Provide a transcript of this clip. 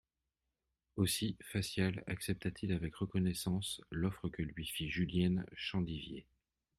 Aussi Facial accepta-t-il avec reconnaissance l'offre que lui fit Julienne Chandivier.